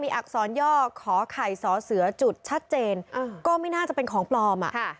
อักษรย่อขอไข่สอเสือจุดชัดเจนก็ไม่น่าจะเป็นของปลอม